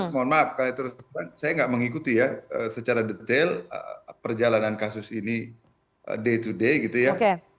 mohon maaf karena itu saya nggak mengikuti ya secara detail perjalanan kasus ini day to day gitu ya